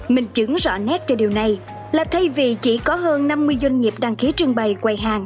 mình chứng rõ nét cho điều này là thay vì chỉ có hơn năm mươi doanh nghiệp đăng ký trưng bày quầy hàng